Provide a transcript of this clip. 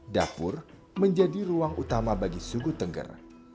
dapur menjadi ruang utama bagi suku tengger